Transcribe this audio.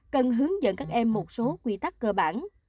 cần hướng dẫn các em một số quy tắc cơ bản